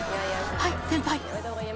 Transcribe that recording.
「はい先輩」